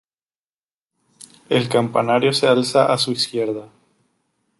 El campanario se alza a su izquierda.